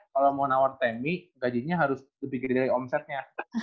kalau mau nawar tmi gajinya harus lebih gede dari omsetnya